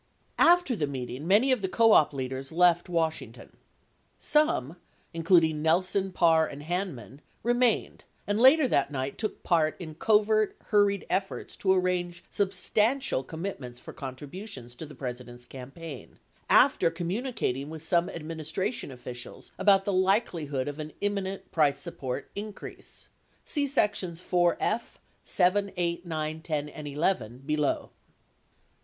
3 After the meeting, many of the co op leaders left Washington. Some, including Nelson, Parr, and Hanman, remained and later that night took part in covert, hurried efforts to arrange substantial commitments for contributions to the President's campaign — after communicating with some administration officials about the likelihood of an imminent price support increase (see Sections IY.F. 7, 8, 9, 10, and 11 below).